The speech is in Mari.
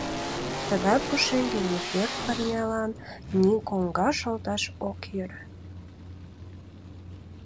Тыгай пушеҥге ни пӧрт пырнялан, ни коҥгаш олташ ок йӧрӧ.